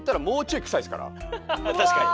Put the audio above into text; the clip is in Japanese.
確かに。